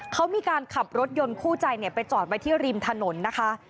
เขามีการขับรถยนต์คู่ใจไปจอดไว้ที่ริมถนนนะคะ